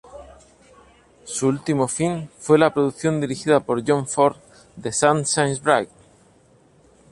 Su último film fue la producción dirigida por John Ford "The Sun Shines Bright".